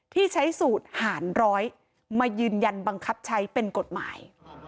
ที่ใช้สูตรหารร้อยมายืนยันบังคับใช้เป็นกฎหมาย